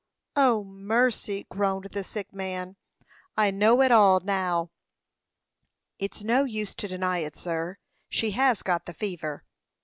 "O, mercy!" groaned the sick man. "I know it all now." "It's no use to deny it, sir. She has got the fever."